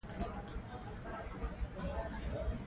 په افغانستان کې د پکتیکا تاریخ خورا ډیر اوږد تاریخ دی.